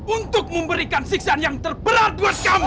untuk memberikan siksan yang terberat buat kamu